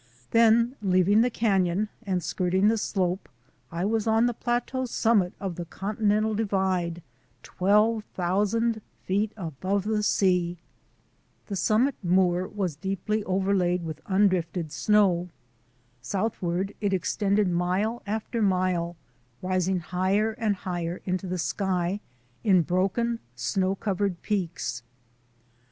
Then leaving the canon and skirting the slope, I was on the plateau summit of the Continental Divide, twelve thousand feet above the sea. This summit moor was deeply overlaid with 45 46 THE ADVENTURES OF A NATURE GUIDE undrifted snow. Southward it extended mile after mile, rising higher and higher into the sky in broken, snow covered peaks.